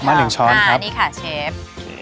มา๑ช้อนครับอ่านี่ค่ะเชฟ